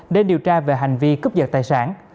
để điều tra về hành vi cướp giật tài sản